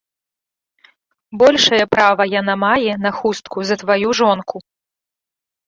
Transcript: Большае права яна мае на хустку за тваю жонку.